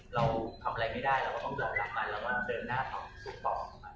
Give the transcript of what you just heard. เราทำอะไรไม่ได้เราก็ต้องหรอกนั้น